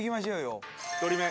１人目。